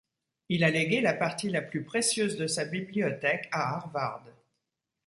Il a légué la partie la plus précieuse de sa bibliothèque à Harvard.